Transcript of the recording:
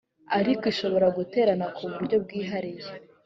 ariko ishobora guterana ku buryobwihariye